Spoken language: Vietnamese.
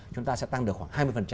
chúng ta sẽ tăng được khoảng hai mươi